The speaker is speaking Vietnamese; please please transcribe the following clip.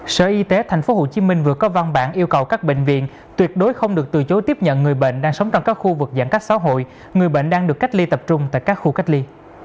sở y tế tp hcm vừa có văn bản yêu cầu các bệnh viện tuyệt đối không được từ chối tiếp nhận người bệnh đang sống trong các khu vực giãn cách xã hội người bệnh đang được cách ly tập trung tại các khu cách ly